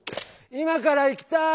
今から行きたい！